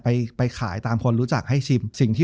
จบการโรงแรมจบการโรงแรม